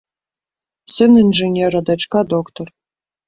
Сын інжынер, а дачка доктар.